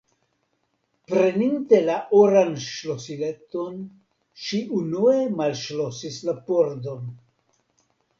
Preninte la oran ŝlosileton, ŝi unue malŝlosis la pordon.